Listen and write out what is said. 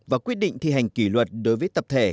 và quyết định thi hành kỷ luật đối với tập thể